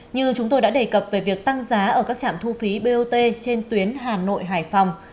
như chúng tôi đã đề cập về việc tăng giá ở các trạm thu phí bot trên tuyến hà nội hải phòng